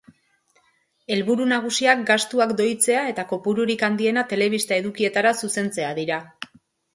Helburu nagusiak gastuak doitzea eta kopururik handiena telebista edukietara zuzentzea dira.